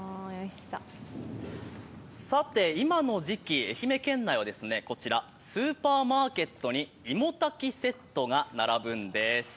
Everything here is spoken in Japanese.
さて、今の時期、愛媛県内はこちら、スーパーマーケットにいも炊きセットが並ぶんです。